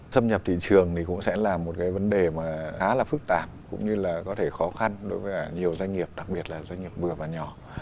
xâm nhập thị trường cũng sẽ là một vấn đề khá là phức tạp cũng như là có thể khó khăn đối với nhiều doanh nghiệp đặc biệt là doanh nghiệp vừa và nhỏ